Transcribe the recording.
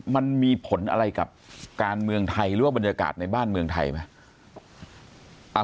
มันมีผลอะไรกับการเมืองไทยหรือว่าบรรยากาศในบ้านเมืองไทยไหม